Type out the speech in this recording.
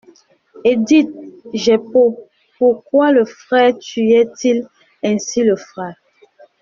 Et dites, Jeppo, pourquoi le frère tuait-il ainsi le frère ?